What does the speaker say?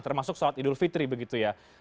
termasuk sholat idul fitri begitu ya